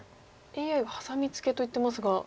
ＡＩはハサミツケと言ってますが。